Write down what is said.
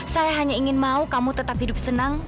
saya hanya ingin mau kamu tetap hidup senang